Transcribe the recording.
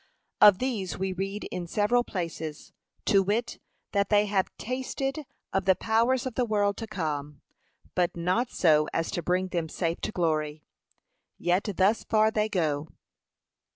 Of these we read in several places; to wit, that they have tasted of the powers of the world to come; but not so as to bring them safe to glory. Yet thus far they go.